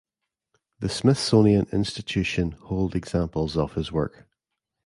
The Smithsonian Institution hold examples of his work.